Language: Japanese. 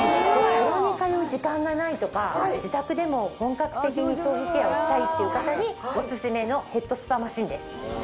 サロンに通う時間がないとか自宅でも本格的に頭皮ケアをしたいっていう方にオススメのヘッドスパマシンです。